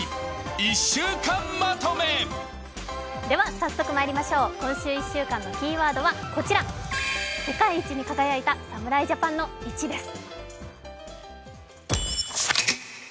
早速まいりましょう今週１週間のキーワードは世界一に輝いた侍ジャパンの「１」です。